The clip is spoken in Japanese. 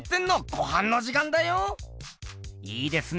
いいですね！